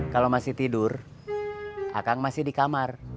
kalau masih tidur akang masih di kamar